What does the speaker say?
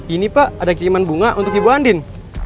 ini pak ada kiriman bunga untuk ibu andin